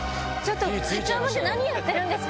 課長まで何やってるんですか！